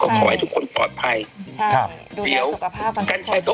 ก็ขอให้ทุกคนปลอดภัยใช่ครับเดี๋ยวดูได้สุขภาพบางครั้ง